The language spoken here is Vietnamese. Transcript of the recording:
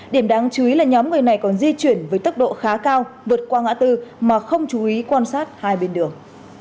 điểm đáng chú ý là nhóm người này còn di chuyển với tốc độ khá cao vượt qua ngã tư mà không chú ý quan sát hai bên đường